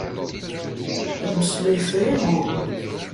Ad nemmeslay ɣef waya neɣ uhu?